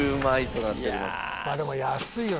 でも安いよ。